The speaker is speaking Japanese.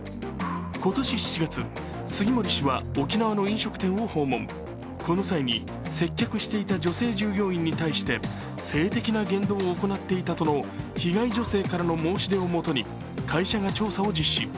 今年７月、杉森氏は沖縄の飲食店を訪問、この際に接客していた女性従業員に対して性的な言動を行っていたとの被害女性からの申し出をもとに会社が調査を実施。